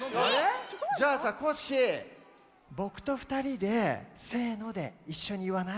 じゃあさコッシーぼくとふたりでせのでいっしょにいわない？